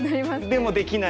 でもできない。